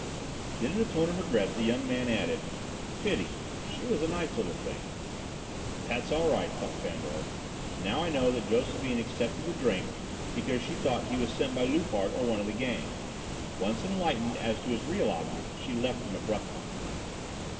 Then in a tone of regret the young man added: "Pity, she was a nice little thing." "That's all right," thought Fandor. "Now I know that Josephine accepted the drink because she thought he was sent by Loupart or one of the gang. Once enlightened as to his real object, she left him abruptly."